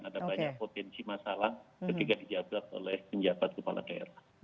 ada banyak potensi masalah ketika dijabat oleh penjabat kepala daerah